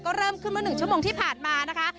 ก็เริ่มขึ้นเมื่อ๑ชั่วโมงที่ผ่านมานะคะ